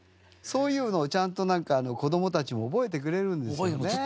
そういうのをちゃんとなんか子どもたちも覚えてくれるんですよね。